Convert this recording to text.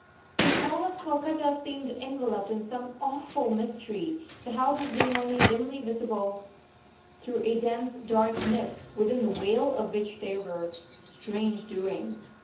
The whole of Calcutta seemed enveloped in some awful mystery, the houses being only dimly visible through a dense, dark mist, within the veil of which there were strange doings.